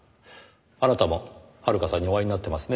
あなたも遥さんにお会いになってますね？